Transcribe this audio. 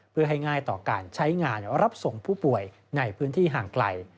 เพื่อให้ง่ายต่อการใช้งานรับส่งผู้ป่วยในพื้นที่ห่างไกล